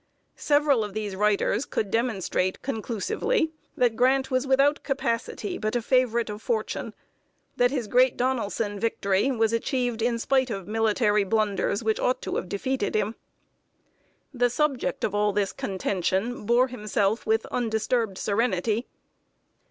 Several of these writers could demonstrate conclusively that Grant was without capacity, but a favorite of Fortune; that his great Donelson victory was achieved in spite of military blunders which ought to have defeated him. [Sidenote: HE SERENELY SMOKES AND WAITS.] The subject of all this contention bore himself with undisturbed serenity.